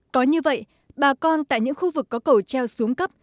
có như vậy bà con tại những khu vực có cầu treo xuống cấp